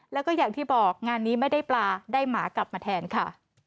แล้วก็อย่างที่บอกงานนี้ไม่ได้ปลาได้หมากลับมาแทนค่ะ